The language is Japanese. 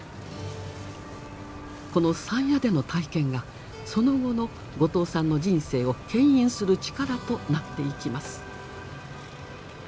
この山谷での体験がその後の後藤さんの人生をけん引する力となっていきます。